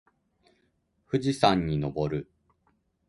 富士山にのぼる。